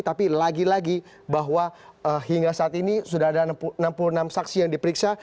tapi lagi lagi bahwa hingga saat ini sudah ada enam puluh enam saksi yang diperiksa